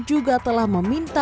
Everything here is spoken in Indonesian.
juga telah memindahkan